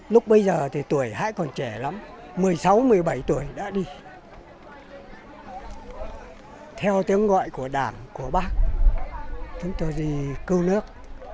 lúc bây giờ thì tuổi hãi còn trẻ lắm một mươi sáu một mươi bảy tuổi đã đi theo tiếng gọi của đảng của bắc chúng tôi đi cưu nước